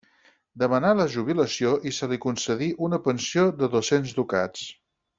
Demanà la jubilació, i se li concedí una pensió de dos-cents ducats.